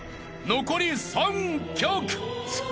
残り３曲］